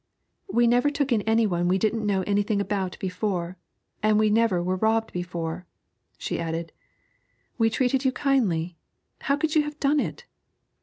'We never took in any one we didn't know anything about before, and we never were robbed before.' She added, 'We treated you kindly; how could you have done it?